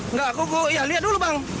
nggak kuku ya lihat dulu bang